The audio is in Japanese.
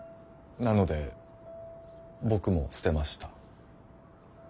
なので僕も捨てました。